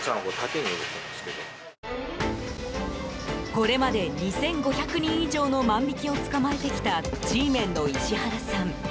これまで２５００人以上の万引きを捕まえてきたＧメンの石原さん。